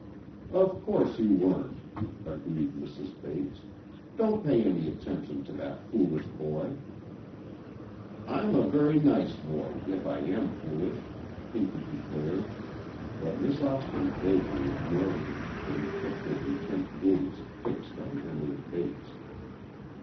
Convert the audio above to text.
"Of course you weren't," agreed Mrs. Bates, "don't pay any attention to that foolish boy." "I'm a very nice boy, if I am foolish," Pinky declared, but Miss Austin vaguely ignored him, and kept her intent gaze fixed on Emily Bates.